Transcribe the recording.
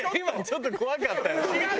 今ちょっと怖かったよね。